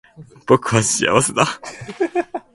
僕は幸せだ